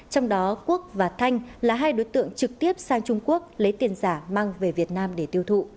trong đó quốc và thanh là hai đối tượng trực tiếp sang trung quốc lấy tiền giả mang về việt nam để tiêu thụ